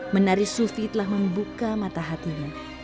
menari sufi telah membuka mata hatinya